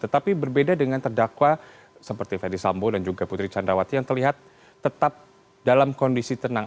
tetapi berbeda dengan terdakwa seperti fendi sambo dan juga putri candrawati yang terlihat tetap dalam kondisi tenang